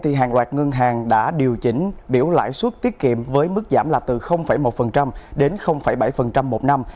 hàng loạt ngân hàng đã điều chỉnh biểu lãi suất tiết kiệm với mức giảm là từ một đến bảy một năm